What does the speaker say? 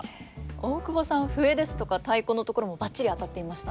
大久保さんは笛ですとか太鼓のところもばっちり当たっていましたね。